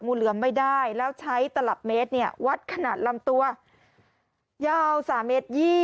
เหลือมไม่ได้แล้วใช้ตลับเมตรเนี่ยวัดขนาดลำตัวยาว๓เมตร